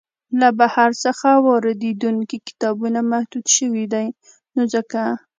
له بهر څخه واریدیدونکي کتابونه محدود شوي دی نو ځکه.